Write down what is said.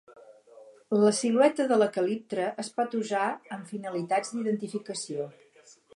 La silueta de la "calyptra" es pot usar amb finalitats d'identificació.